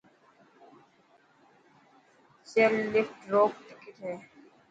چيئرلفٽ روڪ ٽڪٽ هي.